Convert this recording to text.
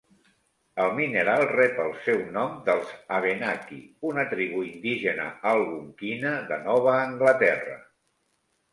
El mineral rep el seu nom dels abenaki, una tribu indígena algonquina de Nova Anglaterra.